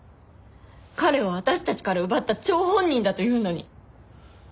彼を私たちから奪った張本人だというのに。